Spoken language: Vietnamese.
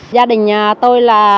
gia đình tôi là